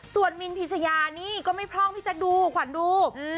ส่วนมินพิชยานี่ก็ไม่พร่องพี่แจ๊คดูขวัญดู